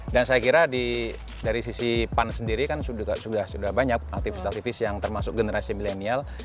dan saya kira dari sisi pan sendiri kan sudah banyak aktivis aktivis yang termasuk generasi milenial